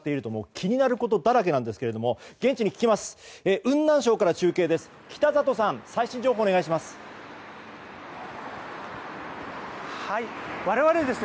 気になることだらけですけれども現地に聞きます。